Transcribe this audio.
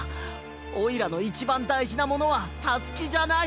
おいらのいちばんだいじなものはタスキじゃない。